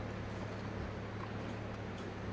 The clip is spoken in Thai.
อัศวินธรรมชาติ